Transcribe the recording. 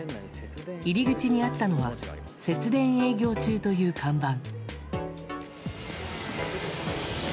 入り口にあったのは節電営業中という看板。